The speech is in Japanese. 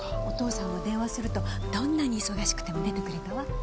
お父さんは電話するとどんなに忙しくても出てくれたわ。